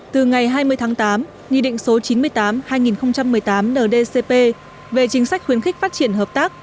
từ ngày hai mươi tháng tám nghị định số chín mươi tám hai nghìn một mươi tám ndcp về chính sách khuyến khích phát triển hợp tác